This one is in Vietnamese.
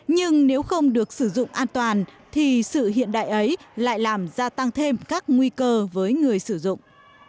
nhưng nếu không được sử dụng an toàn thì sự hiện đại ấy lại làm gia tăng thêm các nguy cơ với người sử dụng